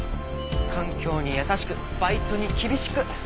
環境に優しくバイトに厳しく。